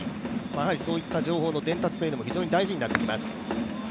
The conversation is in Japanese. そういった情報の伝達というのも非常に大事になってきます。